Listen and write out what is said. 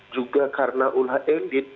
juga karena ulah edit